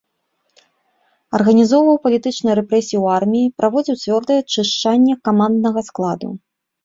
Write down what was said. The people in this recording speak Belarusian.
Арганізоўваў палітычныя рэпрэсіі ў арміі, праводзіў цвёрдае чышчанне каманднага складу.